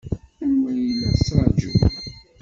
Anwa ay la tettṛajum?